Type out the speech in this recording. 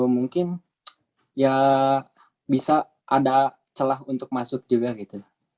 mungkin ya bisa ada celah untuk masuk juga gitu